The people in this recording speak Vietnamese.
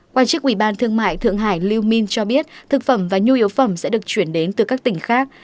quan chức quỹ ban thương mại thượng hải liu min cho biết thực phẩm và nhu yếu phẩm sẽ được chuyển đến từ các tỉnh khác